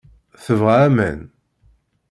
Tebɣa aman.